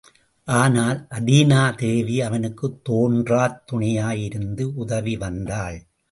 ஆனால், அதீனா தேவி அவனுக்குத் தோன்றாத் துணையாயிருந்து உதவி வந்தாள்.